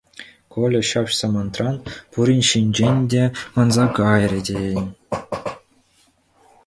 Коля ҫав самантран пурин ҫинчен те манса кайрӗ тейӗн.